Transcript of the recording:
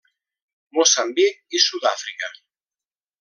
Moçambic i Sud-àfrica.